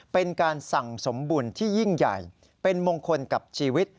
เป็นการสั่งสมบุญที่ยิ่งใหญ่เป็นมงคลกับชีวิต